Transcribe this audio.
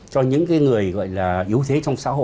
cho những cái người gọi là yếu thế